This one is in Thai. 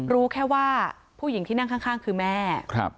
รู้แค่ว่าผู้หญิงที่นั่งข้างคือแม่